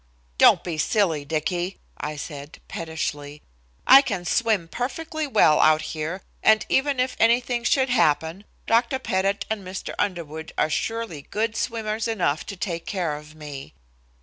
"Don't be silly, Dicky," I said, pettishly; "I can swim perfectly well out here and even if anything should happen, Dr. Pettit and Mr. Underwood are surely good swimmers enough to take care of me."